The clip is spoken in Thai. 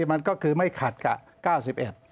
มันก็คือไม่ขัดกับ๙๑